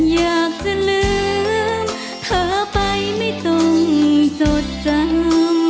อยากจะลืมเธอไปไม่ต้องจดจำ